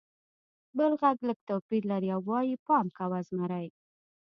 بل غږ لږ توپیر لري او وایي: «پام کوه! زمری!»